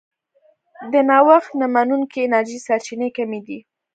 د نوښت نه منونکې انرژۍ سرچینې کمې دي.